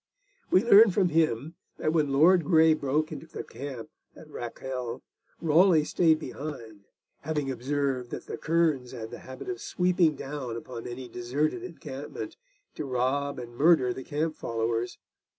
We learn from him that when Lord Grey broke into the camp at Rakele, Raleigh stayed behind, having observed that the kerns had the habit of swooping down upon any deserted encampment to rob and murder the camp followers.